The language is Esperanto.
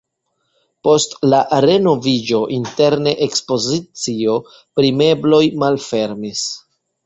Post la renoviĝo interne ekspozicio pri mebloj malfermis.